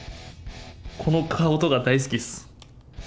この顔とか大好きっす。